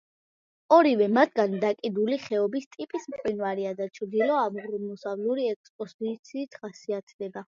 ორივე მათგანი დაკიდული ხეობის ტიპის მყინვარია და ჩრდილო-აღმოსავლური ექსპოზიციით ხასიათდება.